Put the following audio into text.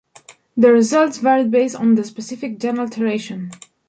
The results varied based on the specific gene alterations.